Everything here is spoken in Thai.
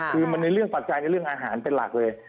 คือมันในเรื่องปัจจัยในเรื่องอาหารเป็นหลักเลย